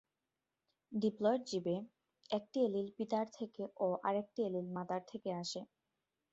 Diploid জীবে, একটি allele পিতার থেকে ও আরেকটি অ্যালিল মাতার থেকে আসে।